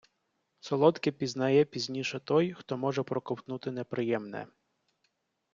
Солодке пізнає пізніше той, хто може проковтнути неприємне.